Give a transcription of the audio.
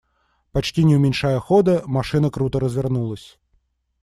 Почти не уменьшая хода, машина круто развернулась.